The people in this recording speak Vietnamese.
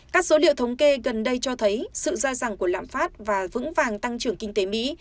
các số liệu thống kê gần đây cho thấy sự ra rằng của lãm phát và vững vàng tăng trưởng kinh tế mỹ